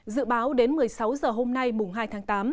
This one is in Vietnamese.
dự báo đến một mươi sáu h hôm nay mùng hai tháng tám